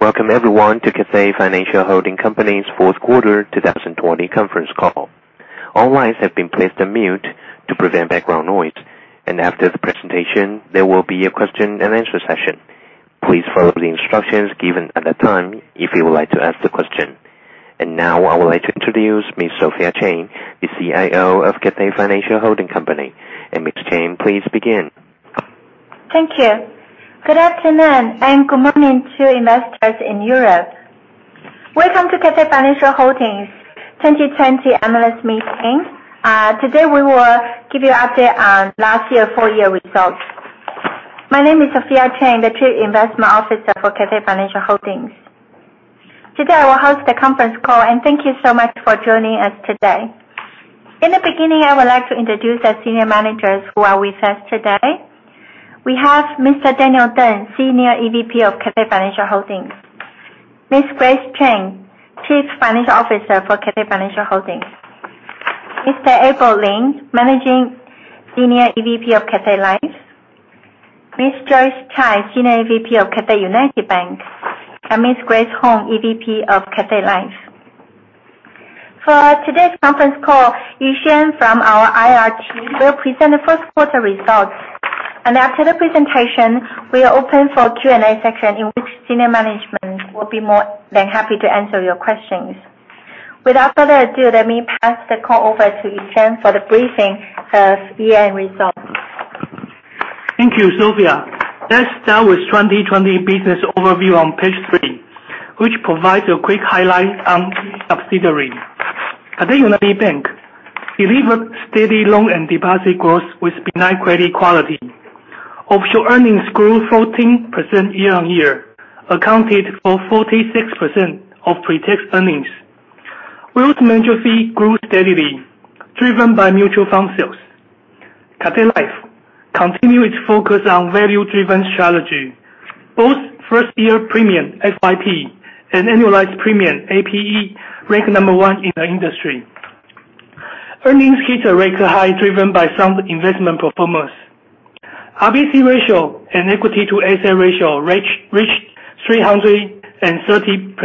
Welcome everyone to Cathay Financial Holding Company's fourth quarter 2020 conference call. All lines have been placed on mute to prevent background noise. After the presentation, there will be a question and answer session. Please follow the instructions given at that time if you would like to ask the question. Now I would like to introduce Ms. Sophia Cheng, the CIO of Cathay Financial Holding Company. Ms. Cheng, please begin. Thank you. Good afternoon. Good morning to investors in Europe. Welcome to Cathay Financial Holding's 2020 analyst meeting. Today, we will give you an update on last year's full year results. My name is Sophia Cheng, the Chief Investment Officer for Cathay Financial Holding. Today, I will host the conference call. Thank you so much for joining us today. In the beginning, I would like to introduce the senior managers who are with us today. We have Mr. Daniel Teng, Senior EVP of Cathay Financial Holding, Ms. Grace Chen, Chief Financial Officer for Cathay Financial Holding, Mr. Abel Lin, Managing Senior EVP of Cathay Life, Ms. Joyce Huang, Senior EVP of Cathay United Bank, Ms. Grace Chen, EVP of Cathay Life. For today's conference call, Yu-Hsiang from our IR team will present the first quarter results. After the presentation, we are open for a Q&A session in which senior management will be more than happy to answer your questions. Without further ado, let me pass the call over to Yu-Hsiang for the briefing of year-end results. Thank you, Sophia. Let's start with the 2020 business overview on page three, which provides a quick highlight on subsidiaries. Cathay United Bank delivered steady loan and deposit growth with benign credit quality. Offshore earnings grew 14% year-on-year, accounted for 46% of pre-tax earnings. Wealth management fee grew steadily, driven by mutual fund sales. Cathay Life continued its focus on value-driven strategy. Both first-year premium, FYP, and annualized premium, APE, ranked number one in the industry. Earnings hit a record high, driven by sound investment performance. RBC ratio and equity to asset ratio reached 330%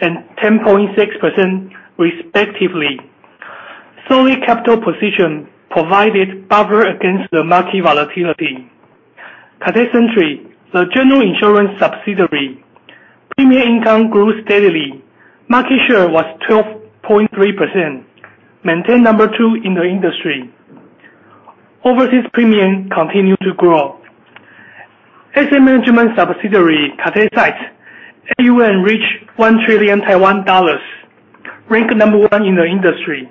and 10.6%, respectively. Solid capital position provided buffer against the market volatility. Cathay Century, the general insurance subsidiary premium income grew steadily. Market share was 12.3%, maintaining number two in the industry. Overseas premium continued to grow. Asset management subsidiary, Cathay SITE, AUM reached 1 trillion Taiwan dollars, ranked number one in the industry.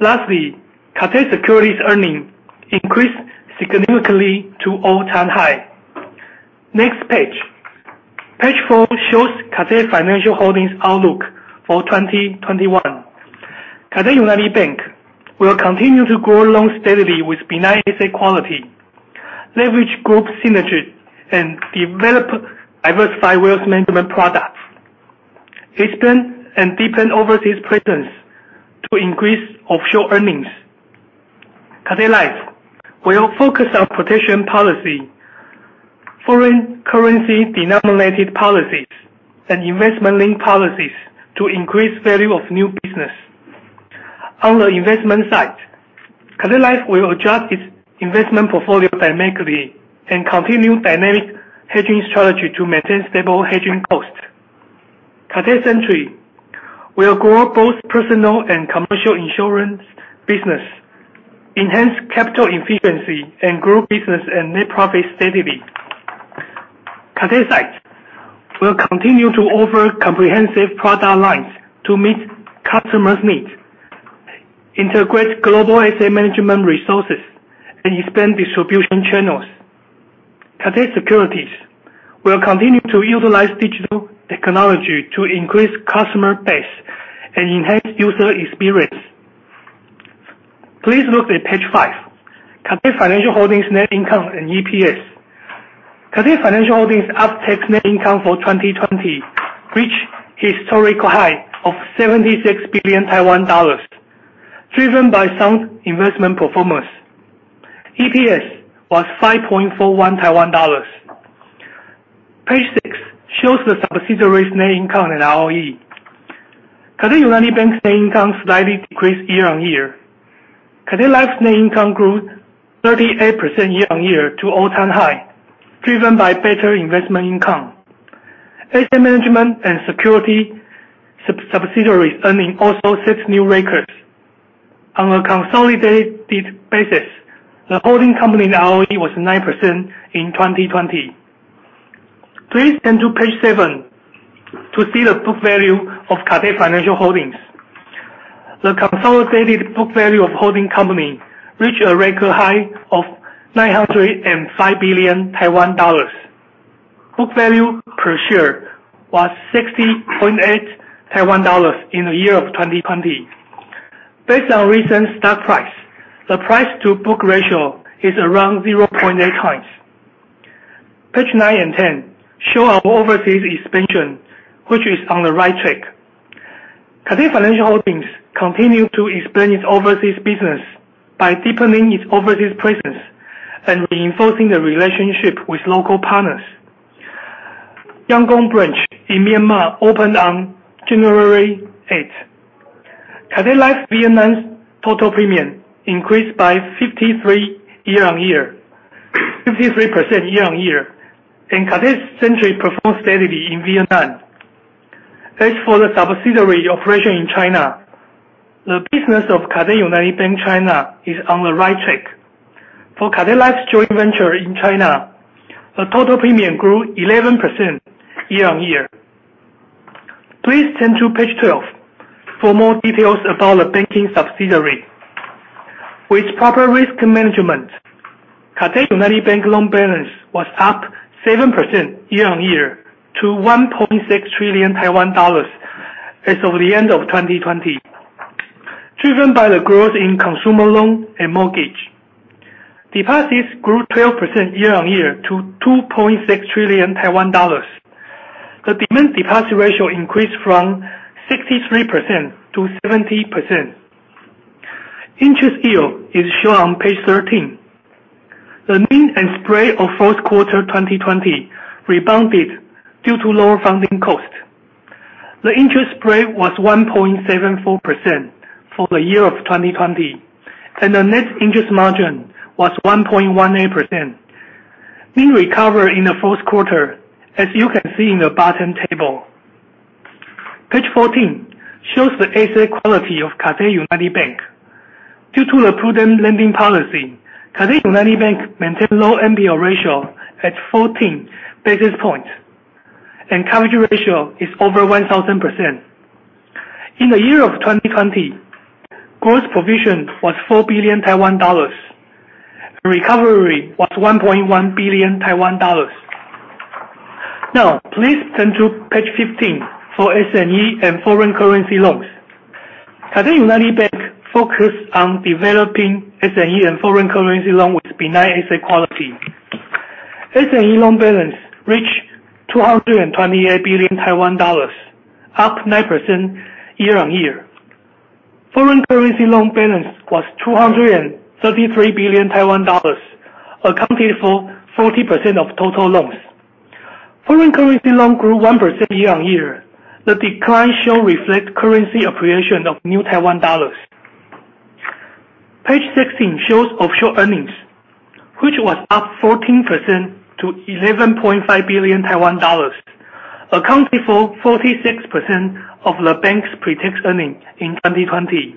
Lastly, Cathay Securities' earnings increased significantly to all-time high. Next page. Page four shows Cathay Financial Holding's outlook for 2021. Cathay United Bank will continue to grow along steadily with benign asset quality, leverage group synergy, and develop diversified wealth management products. Expand and deepen overseas presence to increase offshore earnings. Cathay Life will focus on protection policy, foreign currency denominated policies, and investment-linked policies to increase Value of New Business. On the investment side, Cathay Life will adjust its investment portfolio dynamically and continue dynamic hedging strategy to maintain stable hedging costs. Cathay Century will grow both personal and commercial insurance business, enhance capital efficiency, and grow business and net profit steadily. Cathay SITE will continue to offer comprehensive product lines to meet customers' needs, integrate global asset management resources, and expand distribution channels. Cathay Securities will continue to utilize digital technology to increase customer base and enhance user experience. Please look at page five, Cathay Financial Holding's net income and EPS. Cathay Financial Holding's after-tax net income for 2020 reached a historical high of 76 billion Taiwan dollars, driven by sound investment performance. EPS was 5.41 Taiwan dollars. Page six shows the subsidiaries' net income and ROE. Cathay United Bank's net income slightly decreased year-over-year. Cathay Life's net income grew 38% year-over-year to all-time high, driven by better investment income. Asset Management and Securities subsidiaries' earnings also set new records. On a consolidated basis, the holding company's ROE was 9% in 2020. Please turn to page seven to see the book value of Cathay Financial Holding. The consolidated book value of the holding company reached a record high of 905 billion Taiwan dollars. Book value per share was 60.8 Taiwan dollars in the year of 2020. Based on recent stock price, the price-to-book ratio is around 0.8 times. Pages nine and 10 show our overseas expansion, which is on the right track. Cathay Financial Holding continue to expand its overseas business by deepening its overseas presence and reinforcing the relationship with local partners. Yangon branch in Myanmar opened on January 8th. Cathay Life Vietnam's total premium increased by 53% year-over-year, and Cathay Century performed steadily in Vietnam. As for the subsidiary operation in China, the business of Cathay United Bank China is on the right track. For Cathay Life's joint venture in China, the total premium grew 11% year-over-year. Please turn to page 12 for more details about the banking subsidiary. With proper risk management, Cathay United Bank loan balance was up 7% year-over-year to 1.6 trillion Taiwan dollars as of the end of 2020, driven by the growth in consumer loan and mortgage. Deposits grew 12% year-over-year to 2.6 trillion Taiwan dollars. The demand deposit ratio increased from 63% to 70%. Interest yield is shown on page 13. The mean and spread of fourth quarter 2020 rebounded due to lower funding costs. The interest spread was 1.74% for the year of 2020, and the net interest margin was 1.18%, mean recovery in the fourth quarter, as you can see in the bottom table. Page 14 shows the asset quality of Cathay United Bank. Due to the prudent lending policy, Cathay United Bank maintained low NPL ratio at 14 basis points, and coverage ratio is over 1,000%. In the year 2020, gross provision was 4 billion Taiwan dollars. Recovery was 1.1 billion Taiwan dollars. Please turn to page 15 for SME and foreign currency loans. Cathay United Bank focused on developing SME and foreign currency loan with benign asset quality. SME loan balance reached 228 billion Taiwan dollars, up 9% year-on-year. Foreign currency loan balance was 233 billion Taiwan dollars, accounted for 40% of total loans. Foreign currency loan grew 1% year-on-year. The decline should reflect currency appreciation of New Taiwan dollars. Page 16 shows offshore earnings, which was up 14% to 11.5 billion Taiwan dollars, accounting for 46% of the bank's pre-tax earnings in 2020.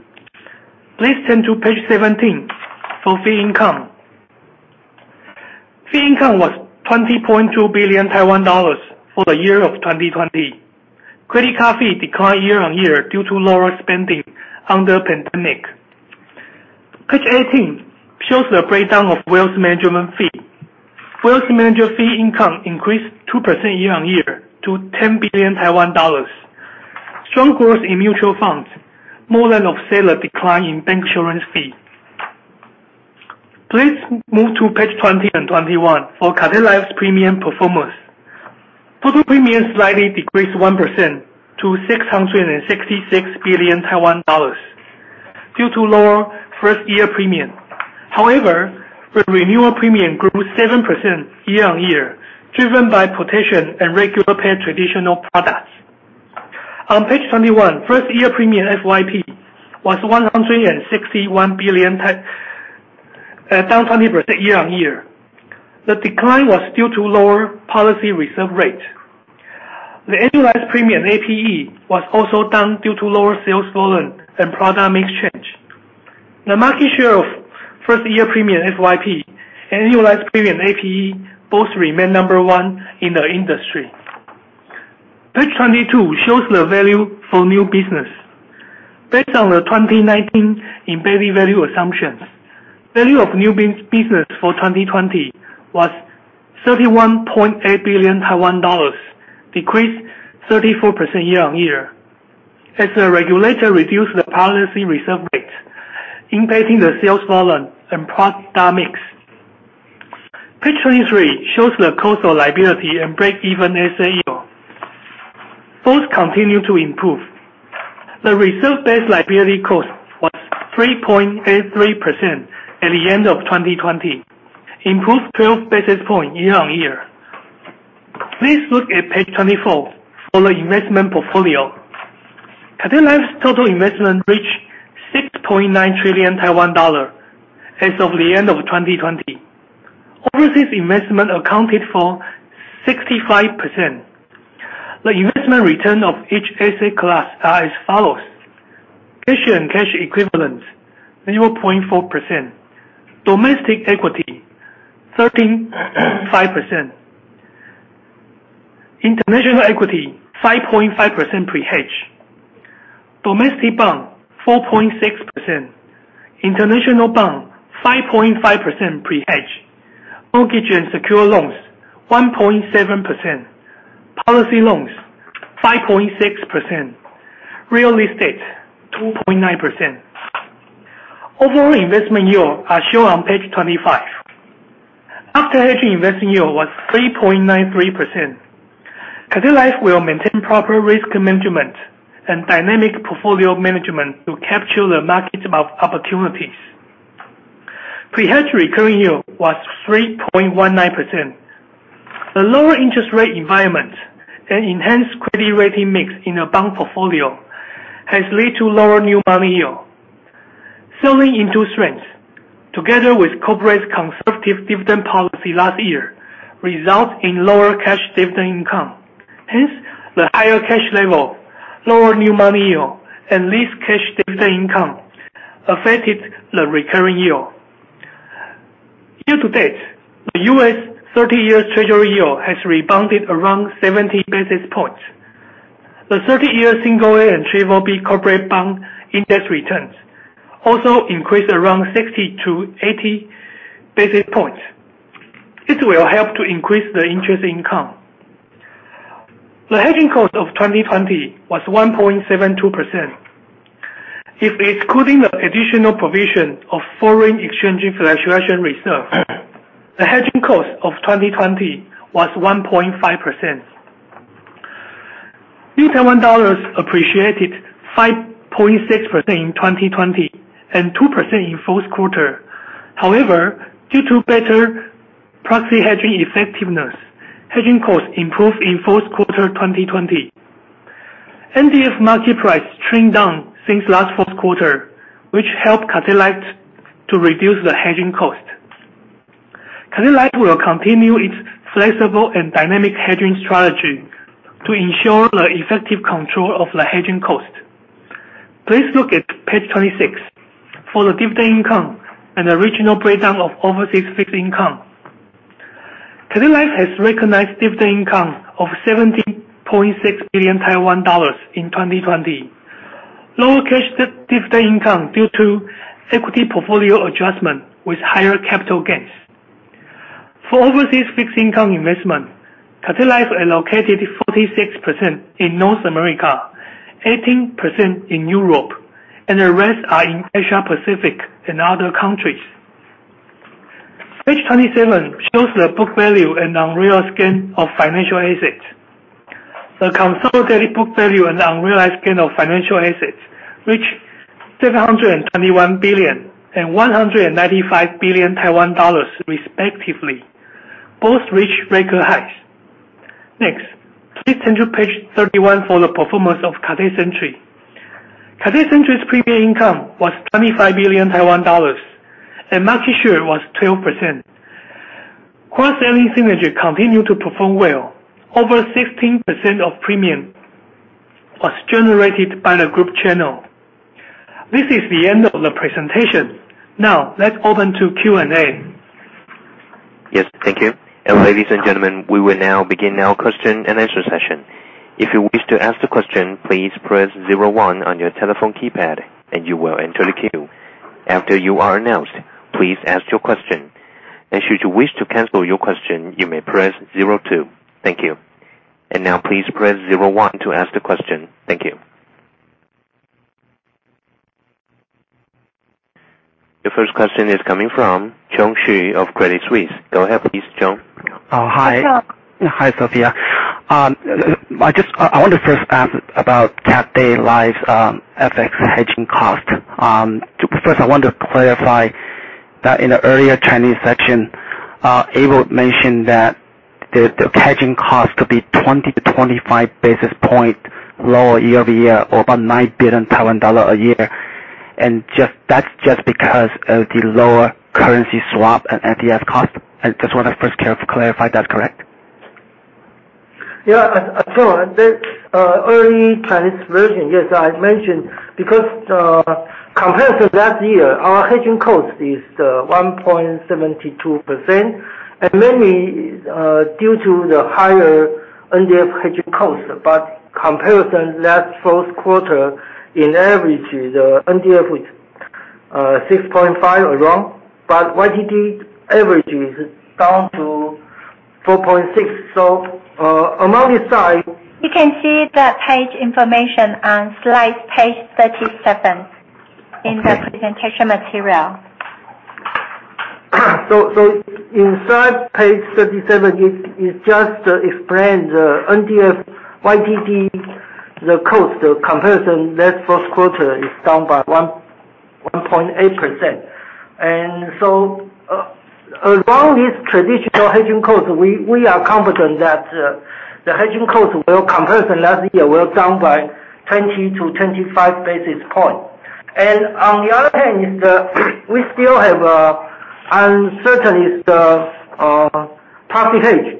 Please turn to page 17 for fee income. Fee income was 20.2 billion Taiwan dollars for the year 2020. Credit card fee declined year-on-year due to lower spending on the pandemic. Page 18 shows the breakdown of wealth management fee. Wealth management fee income increased 2% year-on-year to 10 billion Taiwan dollars. Strong growth in mutual funds more than offset a decline in bancassurance fee. Please move to page 20 and 21 for Cathay Life's premium performance. Total premium slightly decreased 1% to 666 billion Taiwan dollars due to lower first-year premium. However, the renewal premium grew 7% year-on-year, driven by protection and regular-paid traditional products. On page 21, first-year premium, FYP, was 161 billion, down 20% year-on-year. The decline was due to lower policy reserve rate. The annualized premium, APE, was also down due to lower sales volume and product mix change. The market share of first-year premium, FYP, and annualized premium, APE, both remain number one in the industry. Page 22 shows the Value for New Business. Based on the 2019 embedded value assumptions, Value of New Business for 2020 was 31.8 billion Taiwan dollars, decreased 34% year-on-year, as the regulator reduced the policy reserve rate, impacting the sales volume and product mix. Page 23 shows the cost of liability and break-even asset yield. Both continue to improve. The reserve-based liability cost was 3.83% at the end of 2020, improved 12 basis points year-on-year. Please look at page 24 for the investment portfolio. Cathay Life's total investment reached 6.9 trillion Taiwan dollar as of the end of 2020. Overseas investment accounted for 65%. The investment return of each asset class are as follows: cash and cash equivalents, 0.4%. Domestic equity, 35%. International equity, 5.5% pre-hedge. Domestic bond, 4.6%. International bond, 5.5% pre-hedge. Mortgage and secured loans, 1.7%. Policy loans, 5.6%. Real estate, 2.9%. Overall investment yield are shown on page 25. After hedging investment yield was 3.93%. Cathay Life will maintain proper risk management and dynamic portfolio management to capture the market opportunities. Pre-hedge recurring yield was 3.19%. The lower interest rate environment and enhanced credit rating mix in a bond portfolio has led to lower new money yield. Selling into strengths together with corporate conservative dividend policy last year results in lower cash dividend income. Hence, the higher cash level, lower new money yield, and less cash dividend income affected the recurring yield. Year-to-date, the U.S. 30-year Treasury yield has rebounded around 70 basis points. The 30-year single A and triple B corporate bond index returns also increased around 60 to 80 basis points. This will help to increase the interest income. The hedging cost of 2020 was 1.72%. If excluding the additional provision of foreign exchange fluctuation reserve, the hedging cost of 2020 was 1.5%. New Taiwan dollars appreciated 5.6% in 2020 and 2% in fourth quarter. However, due to better proxy hedging effectiveness, hedging costs improved in fourth quarter 2020. NDF market price trend down since last fourth quarter, which helped Cathay Life to reduce the hedging cost. Cathay Life will continue its flexible and dynamic hedging strategy to ensure the effective control of the hedging cost. Please look at page 26 for the dividend income and the regional breakdown of overseas fixed income. Cathay Life has recognized dividend income of 70.6 billion Taiwan dollars in 2020. Lower cash dividend income due to equity portfolio adjustment with higher capital gains. For overseas fixed income investment, Cathay Life allocated 46% in North America, 18% in Europe, and the rest are in Asia Pacific and other countries. Page 27 shows the book value and unrealized gain of financial assets. The consolidated book value and unrealized gain of financial assets, which 721 billion and 195 billion Taiwan dollars respectively, both reached record highs. Next, please turn to page 31 for the performance of Cathay Century. Cathay Century's premium income was 25 billion Taiwan dollars, and market share was 12%. Cross-selling synergy continued to perform well. Over 16% of premium was generated by the group channel. This is the end of the presentation. Now, let's open to Q&A. Yes, thank you. Ladies and gentlemen, we will now begin our question-and-answer session. If you wish to ask the question, please press zero one on your telephone keypad and you will enter the queue. After you are announced, please ask your question. Should you wish to cancel your question, you may press zero two. Thank you. Now please press zero one to ask the question. Thank you. The first question is coming from Chung Hsu of Credit Suisse. Go ahead please, Chung. Hi. Hi, Chung. Hi, Sophia. I want to first ask about Cathay Life's FX hedging cost. First, I want to clarify that in the earlier Chinese section, Abel mentioned that the hedging cost could be 20 to 25 basis points lower year-over-year or about 9 billion Taiwan dollar a year. That is just because of the lower currency swap and FDS cost. I just want to first clarify that, correct? Yeah. Chung, the early Chinese version, yes, I mentioned because compared to last year, our hedging cost is 1.72%, and mainly due to the higher NDF hedging cost. Comparison last fourth quarter in average, the NDF was 6.5 around, but YTD average is down to 4.6, among this. You can see that page information on slide page 37 in the presentation material. Inside page 37, it just explains the NDF YTD, the cost comparison, last fourth quarter is down by 1.8%. Among these traditional hedging costs, we are confident that the hedging cost comparison last year were down by 20 to 25 basis points. On the other hand is that we still have uncertainties, the proxy hedge.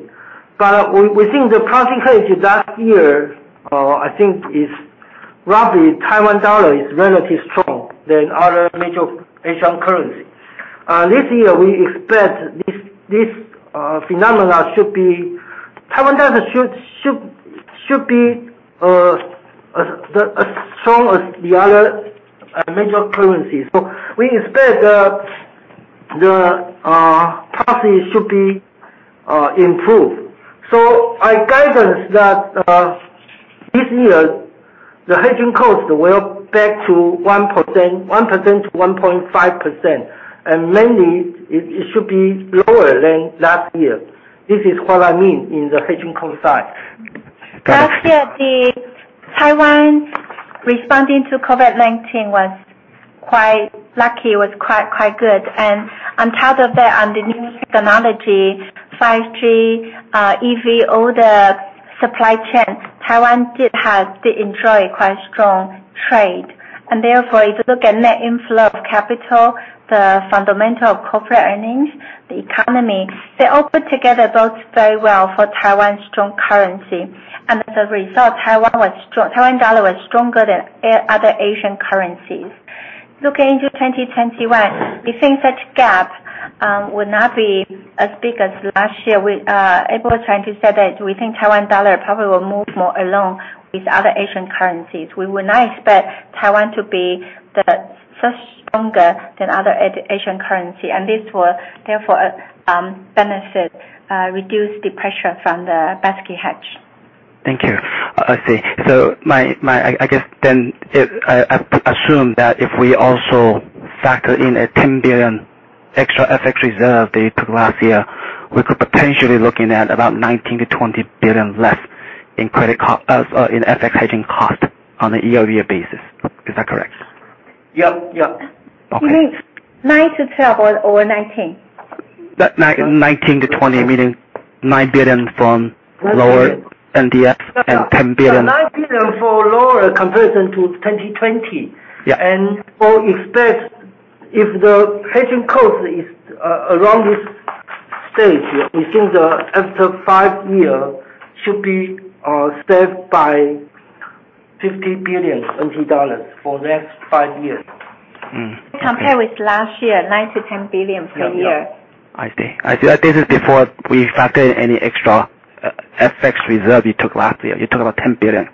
We think the proxy hedge last year, is roughly Taiwan dollar is relatively strong than other major Asian currency. This year, we expect this phenomenon should be Taiwan dollar should be as strong as the other major currencies. We expect the The policy should be improved. Our guidance that this year, the hedging cost will be back to 1%-1.5%, and mainly, it should be lower than last year. This is what I mean in the hedging cost side. Last year, Taiwan responding to COVID-19 was quite lucky, it was quite good. On top of that, on the new technology, 5G, EV, all the supply chains, Taiwan did enjoy quite strong trade. Therefore, if you look at net inflow of capital, the fundamental of corporate earnings, the economy, they all put together bodes very well for Taiwan's strong currency. As a result, Taiwan dollar was stronger than other Asian currencies. Looking into 2021, we think that gap will not be as big as last year. Abel was trying to say that we think Taiwan dollar probably will move more along with other Asian currencies. We would not expect Taiwan to be the first stronger than other Asian currency, and this will therefore benefit, reduce the pressure from the basket hedge. Thank you. I see. I guess, I assume that if we also factor in a 10 billion extra FX reserve that you took last year, we could potentially be looking at about 19 billion-20 billion less in FX hedging cost on a year-over-year basis. Is that correct? Yep. You mean nine to 12 or 19? 19 to 20, meaning 9 billion from lower NDF and 10 billion. nine billion for lower comparison to 2020. Yeah. We expect if the hedging cost is around this stage, we think that after five years, we should be saved by 50 billion NT dollars for the next five years. Mm-hmm. Okay. Compared with last year, 9 billion-10 billion for a year. I see. This is before we factor in any extra FX reserve you took last year. You took about 10 billion.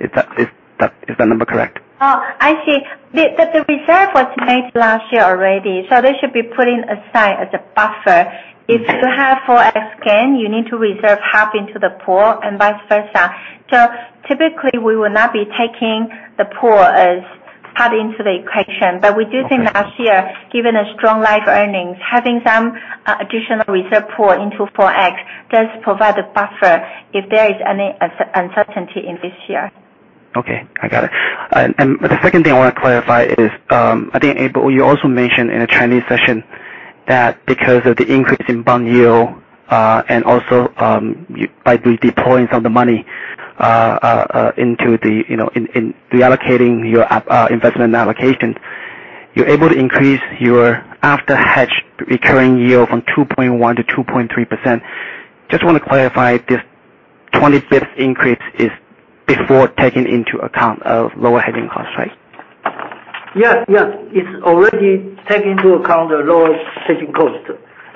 Is that number correct? I see. The reserve was made last year already, they should be putting aside as a buffer. If you have FX gain, you need to reserve half into the pool and vice versa. Typically, we will not be taking the pool as part into the equation. We do think last year, given the strong life earnings, having some additional reserve pool into FX does provide a buffer if there is any uncertainty in this year. Okay. I got it. The second thing I want to clarify is, I think, Abel, you also mentioned in a Chinese session that because of the increase in bond yield, also by deploying some of the money into reallocating your investment allocations, you are able to increase your after-hedge recurring yield from 2.1%-2.3%. Just want to clarify, this 20 bits increase is before taking into account a lower hedging cost, right? Yes. It is already taken into account the lower hedging cost.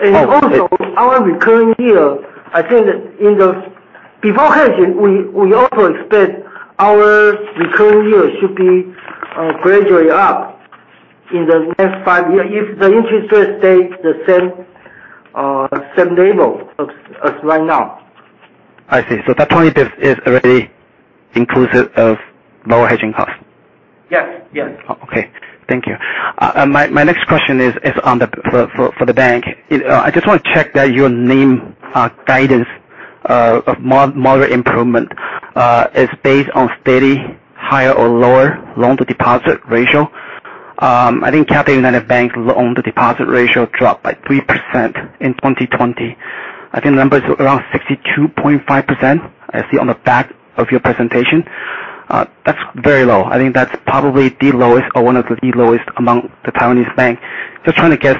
Oh, okay. Also, our recurring yield, I think that before hedging, we also expect our recurring yield should be gradually up in the next five years if the interest rate stays the same level as right now. I see. That point is already inclusive of lower hedging cost. Yes. Okay. Thank you. My next question is for the bank. I just want to check that your NIM guidance of moderate improvement is based on steady, higher or lower loan-to-deposit ratio. I think Cathay United Bank loan-to-deposit ratio dropped by 3% in 2020. I think the number is around 62.5%, I see on the back of your presentation. That's very low. I think that's probably the lowest or one of the lowest among the Taiwanese bank. Just trying to get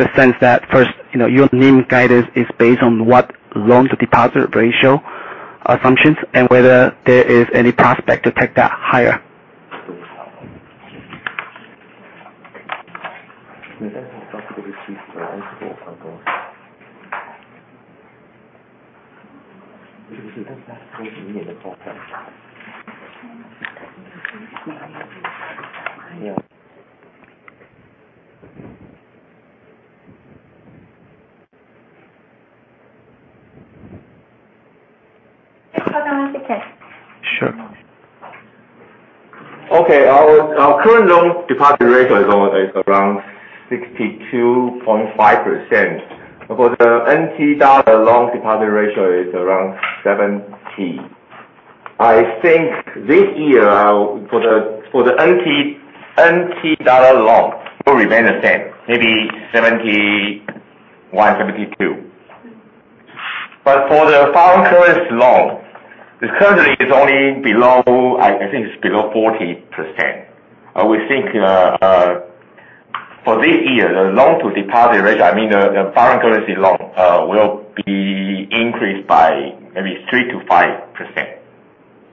a sense that first, your NIM guidance is based on what loan-to-deposit ratio assumptions, and whether there is any prospect to take that higher. Chairman, take it. Sure. Okay. Our current loan-to-deposit ratio is around 62.5%. For the TWD loan-to-deposit ratio, it's around 70. I think this year, for the TWD loans will remain the same, maybe 71, 72. For the foreign currency loan, currently, I think it's below 40%. We think for this year, the loan-to-deposit ratio, I mean, the foreign currency loan, will be increased by maybe 3%-5%.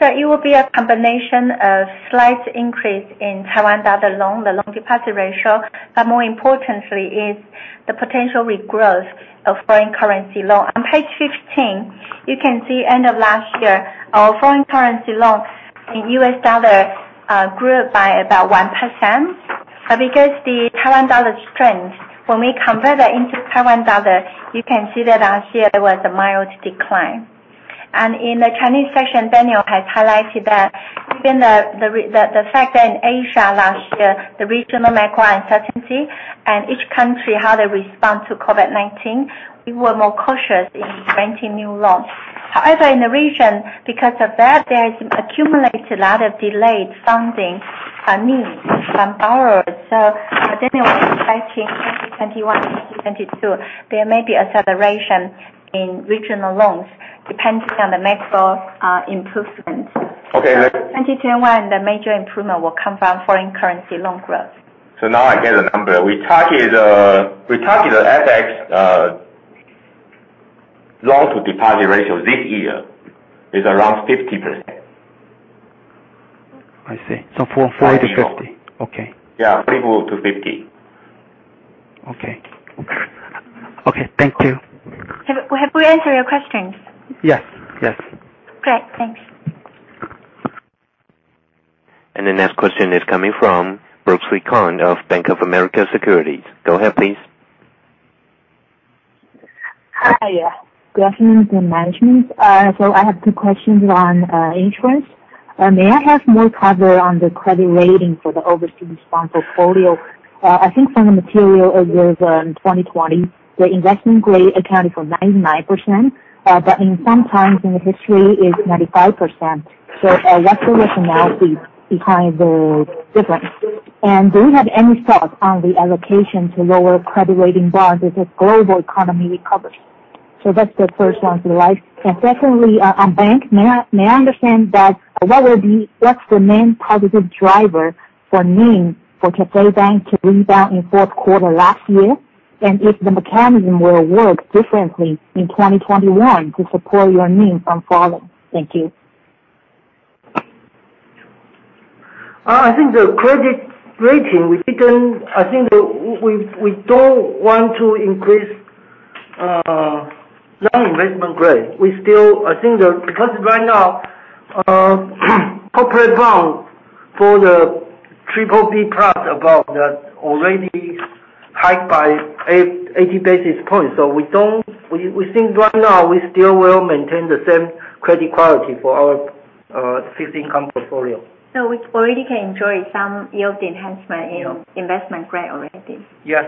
It will be a combination of slight increase in TWD loan, the loan deposit ratio, more importantly is the potential regrowth of foreign currency loan. On page 15, you can see end of last year, our foreign currency loan in USD, grew by about 1%. Because the TWD strength, when we convert that into TWD, you can see that last year there was a mild decline. In the Chinese session, Daniel has highlighted that given the fact that in Asia last year, the regional macro uncertainty and each country, how they respond to COVID-19, we were more cautious in granting new loans. However, in the region, because of that, there's accumulated a lot of delayed funding needs from borrowers. Daniel was expecting in 2021 and 2022, there may be acceleration in regional loans depending on the macro improvements. Okay. 2021, the major improvement will come from foreign currency loan growth. Now I get the number. We target the FX loan to deposit ratio this year is around 50%. I see. 40-50. Yeah. Okay. 40-50. Okay. Thank you. Have we answered your questions? Yes. Great. Thanks. The next question is coming from Brooksley Kahn of Bank of America Securities. Go ahead, please. Hi. Good afternoon to management. I have two questions on interest. May I have more color on the credit rating for the overdue sponsored portfolio? I think from the material, it was in 2020, the investment grade accounted for 99%, but sometimes in the history it's 95%. What's the rationale behind the difference? Do you have any thoughts on the allocation to lower credit rating bonds as the global economy recovers? That's the first one, if you like. Secondly, on bank, may I understand that, what's the main positive driver for NIM for Cathay Bank to rebound in fourth quarter last year? If the mechanism will work differently in 2021 to support your NIM from falling. Thank you. I think the credit rating, we don't want to increase non-investment grade. Right now, corporate bonds for the triple B plus above that already hiked by 80 basis points. We think right now we still will maintain the same credit quality for our fixed income portfolio. We already can enjoy some yield enhancement in investment grade already. Yes.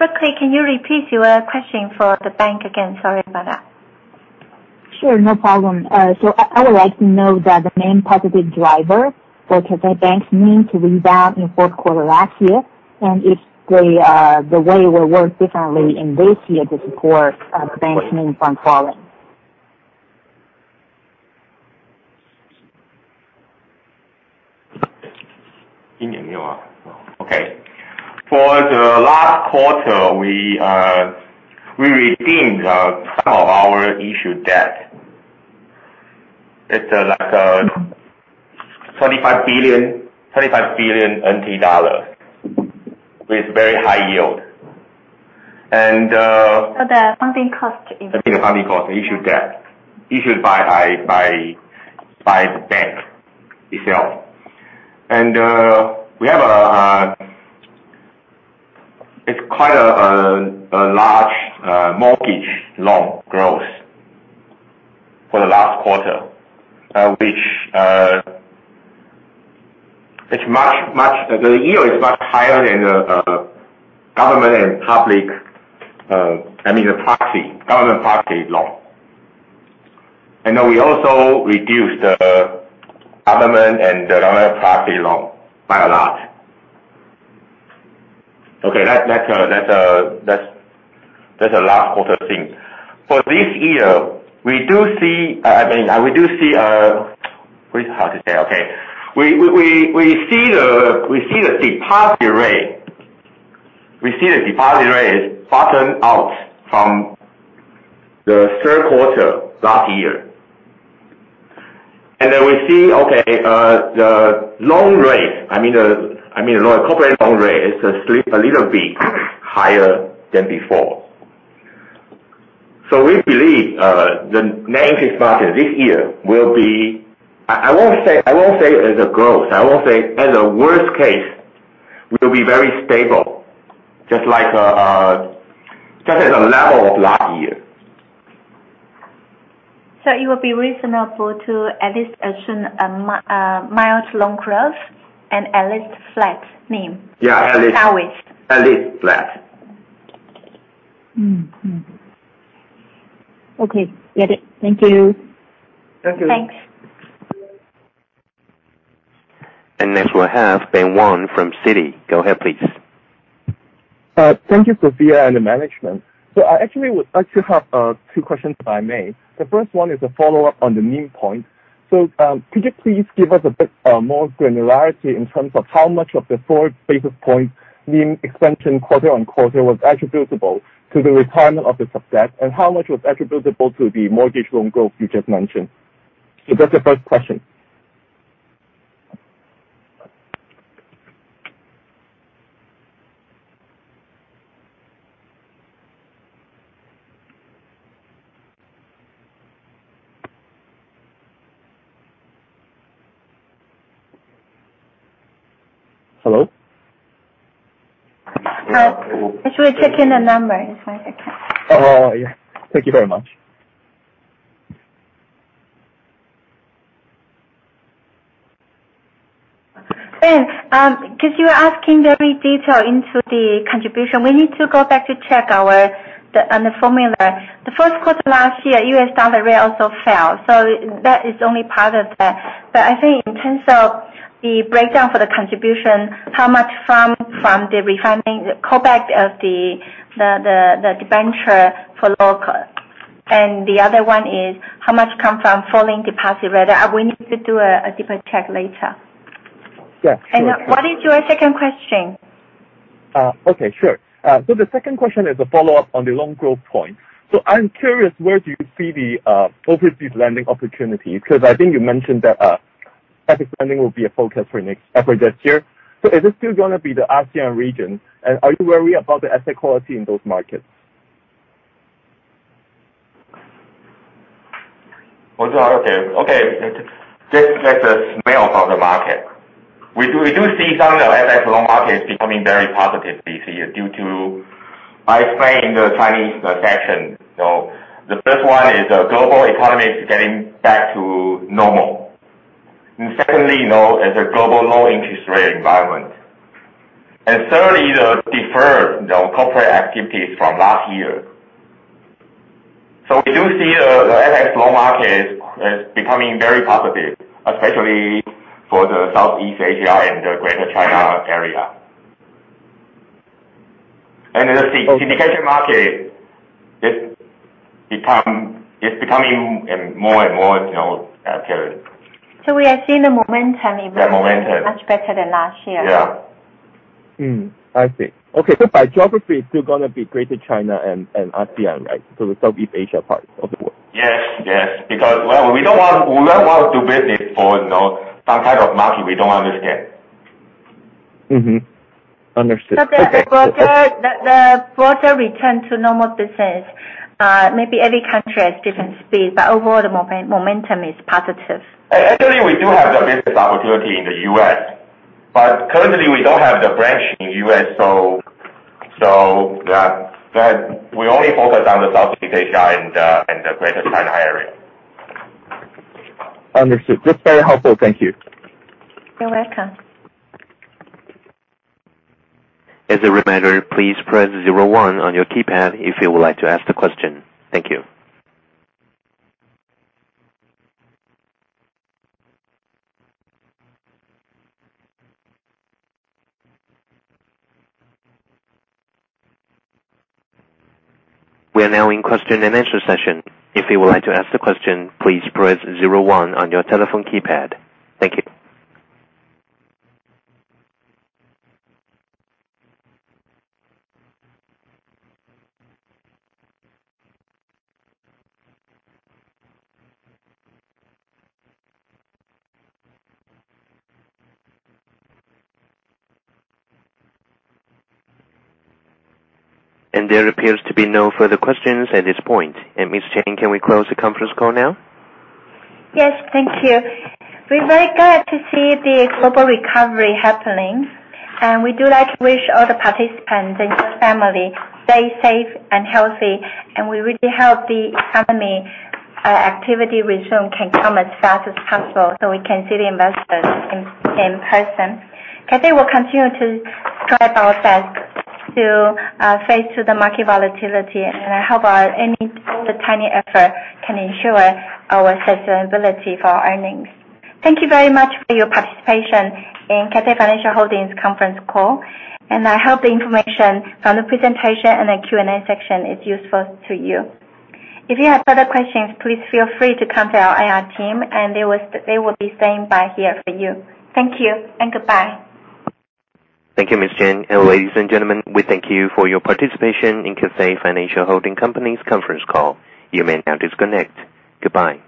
Brooksley, can you repeat your question for the bank again? Sorry about that. Sure, no problem. I would like to know the main positive driver for Cathay Bank's NIM to rebound in the fourth quarter last year, and if the way will work differently in this year to support bank's NIM from falling. Okay. For the last quarter, we redeemed some of our issued debt. It's like 25 billion with very high yield. The funding cost- Funding cost issued by the bank itself. It's quite a large mortgage loan growth for the last quarter, the yield is much higher than the government party loan. We also reduced the government and the private party loan by a lot. That's the last quarter thing. For this year, how to say? We see the deposit rate is bottom out from the third quarter last year. We see the corporate loan rate has slipped a little bit higher than before. We believe the NIM this market this year, I won't say as a growth, I will say as a worst case, will be very stable, just like the level of last year. It would be reasonable to at least assume a mild loan growth and at least flat NIM? Yeah. At least. At least flat. Okay. Get it. Thank you. Thank you. Thanks. Next we have Ben Wong from Citi. Go ahead, please. Thank you, Sophia and the management. I actually would like to have two questions, if I may. The first one is a follow-up on the NIM point. Could you please give us a bit more granularity in terms of how much of the four basis points NIM expansion quarter-on-quarter was attributable to the retirement of the sub-debt, and how much was attributable to the mortgage loan growth you just mentioned? That's the first question. Hello? Actually, checking the number in one second. Yeah. Thank you very much. Because you were asking very detailed into the contribution, we need to go back to check on the formula. The first quarter last year, US dollar rate also fell. That is only part of that. I think in terms of the breakdown for the contribution, how much from the refining callback of the debenture for local. The other one is how much come from falling deposit rate. We need to do a deeper check later. Yeah. Sure. What is your second question? Okay, sure. The second question is a follow-up on the long growth point. I'm curious, where do you see the overseas lending opportunities? Because I think you mentioned that asset lending will be a focus for next effort this year. Is it still going to be the ASEAN region? Are you worried about the asset quality in those markets? Okay. Just get the smell of the market. We do see some of the FX loan markets becoming very positive this year due to, I explained in the Chinese section. The first one is the global economy is getting back to normal. Secondly, as a global low interest rate environment. Thirdly, the deferred corporate activities from last year. We do see the FX loan market as becoming very positive, especially for the Southeast Asia and the Greater China area. The syndication market is becoming more and more apparent. we are seeing the momentum emerging. The momentum. much better than last year. Yeah. I see. Okay. By geography, it's still going to be Greater China and ASEAN, right? The Southeast Asia part of the world. Yes. Well, we don't want to do business for some kind of market we don't understand. Mm-hmm. Understood. Okay. The broader return to normal business, maybe every country has different speed. Overall the momentum is positive. Actually, we do have the business opportunity in the U.S. Currently we don't have the branch in U.S. We only focus on the Southeast Asia and the Greater China area. Understood. That's very helpful. Thank you. You're welcome. As a reminder, please press zero one on your keypad if you would like to ask the question. Thank you. We are now in question and answer session. If you would like to ask the question, please press zero one on your telephone keypad. Thank you. There appears to be no further questions at this point. Ms. Chen, can we close the conference call now? Yes. Thank you. We're very glad to see the global recovery happening, and we do like to wish all the participants and your family stay safe and healthy, and we really hope the economy activity resume can come as fast as possible so we can see the investors in person. Cathay will continue to try our best to face through the market volatility and hope any tiny effort can ensure our sustainability for earnings. Thank you very much for your participation in Cathay Financial Holding conference call, and I hope the information from the presentation and the Q&A section is useful to you. If you have further questions, please feel free to contact our IR team, and they will be staying by here for you. Thank you and goodbye. Thank you, Ms. Chen. Ladies and gentlemen, we thank you for your participation in Cathay Financial Holding Company's conference call. You may now disconnect. Goodbye.